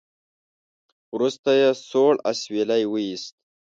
وروسته يې سوړ اسويلی وېست.